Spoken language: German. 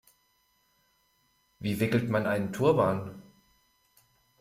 Wie wickelt man einen Turban?